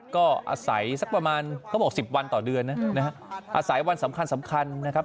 ก็อาศัยสักประมาณก็บอก๑๐วันต่อเดือนนะอาศัยวันสำคัญนะครับ